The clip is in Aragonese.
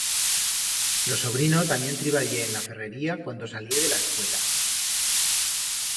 Lo sobrino tamién triballé en la ferrería cuando salié de la escuela.